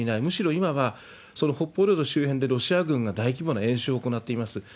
むしろ今は、その北方領土周辺でロシア軍が大規模な演習を行っています。